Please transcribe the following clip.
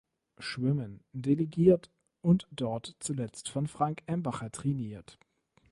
Schwimmen, delegiert und dort zuletzt von Frank Embacher trainiert.